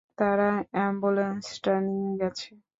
তারা অ্যাম্বুলেন্সটা নিয়ে গেছে।